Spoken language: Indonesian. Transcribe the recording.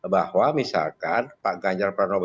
bahwa misalkan pak ganjar pranowo